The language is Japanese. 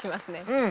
うん。